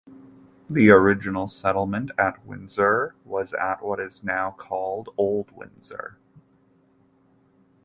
The original settlement at Windsor was at what is now called Old Windsor.